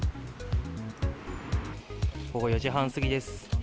午後４時半過ぎです。